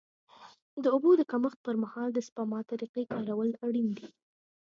د اوبو د کمښت پر مهال د سپما طریقې کارول اړین دي.